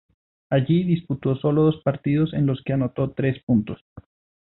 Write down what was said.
Allí disputó sólo dos partidos en los que anotó tres puntos.